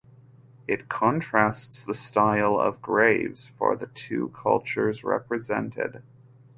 It contrasts the style of graves for the two cultures represented.